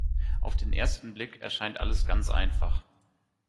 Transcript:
Auf den ersten Blick erscheint alles ganz einfach.